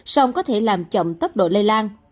song có thể làm chậm tốc độ lây lan